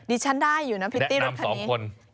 ดิฉันได้อยู่นะพิตตี้รถคันนี้